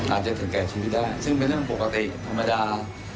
ถึงแก่ชีวิตได้ซึ่งเป็นเรื่องปกติธรรมดา